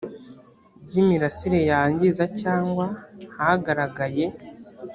by imirasire yangiza cyangwa hagaragaye